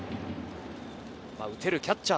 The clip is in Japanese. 打てるキャッチャー。